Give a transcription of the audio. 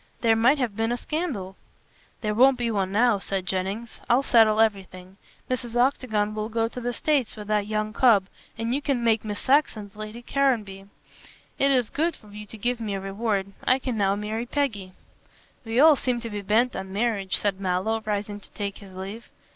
There might have been a scandal." "There won't be one now," said Jennings. "I'll settle everything. Mrs. Octagon will go to the States with that young cub, and you can make Miss Saxon Lady Caranby. It is good of you giving me a reward. I can now marry Peggy." "We all seem to be bent on marriage," said Mallow, rising to take his leave.